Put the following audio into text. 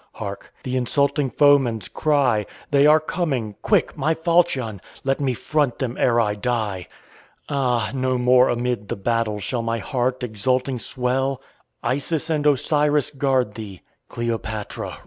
Hark! the insulting foeman's cry. They are coming! quick! my falchion!! Let me front them ere I die. Ah! no more amid the battle Shall my heart exulting swell Isis and Osiris guard thee Cleopatra!